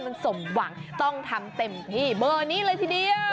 มันสมหวังต้องทำเต็มที่เบอร์นี้เลยทีเดียว